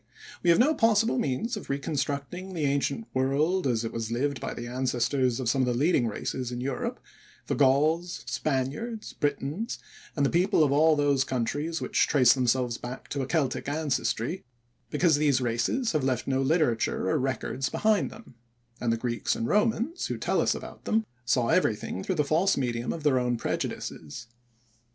We have no possible means of reconstructing the ancient world as it was lived in by the ancestors of some of the leading races in Europe, the Gauls, Spaniards, Britons, and the people of all those countries which trace themselves back to a Celtic ancestry, because these races have left no literature or records behind them, and the Greeks and Romans, who tell us about them, saw everything through the false medium of their own prejudices.